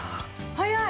早い！